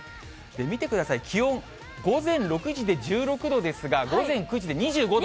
見てください、気温、午前６時で１６度ですが、午前９時で２５度。